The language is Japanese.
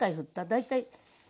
大体。